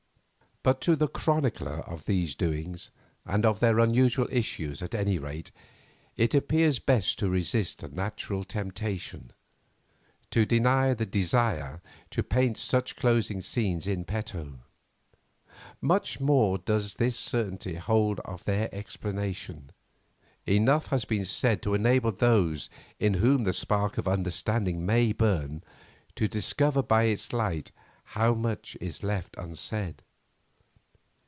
But to the chronicler of these doings and of their unusual issues at any rate, it appears best to resist a natural temptation; to deny the desire to paint such closing scenes in petto. Much more does this certainty hold of their explanation. Enough has been said to enable those in whom the spark of understanding may burn, to discover by its light how much is left unsaid.